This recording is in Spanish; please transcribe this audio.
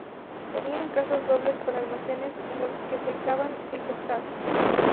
Tenían casas dobles con almacenes en los que secaban el pescado.